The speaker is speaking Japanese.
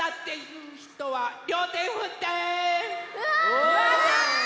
うわ！